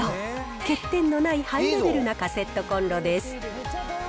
欠点のないハイレベルなカセットこんろです。